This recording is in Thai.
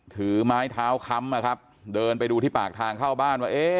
ถือไม้เท้าค้ำนะครับเดินไปดูที่ปากทางเข้าบ้านว่า